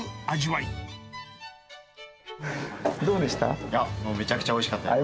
いや、もうめちゃくちゃおいよかったです。